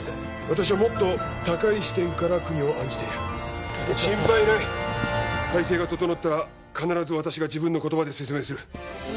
私はもっと高い視点から国を案じているですが心配ない体制が整ったら必ず私が自分の言葉で説明する